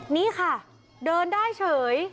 นี่ค่ะเดินได้เฉย